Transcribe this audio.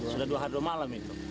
sudah dua hari dua malam itu